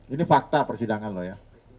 ini fakta persidangan loh ya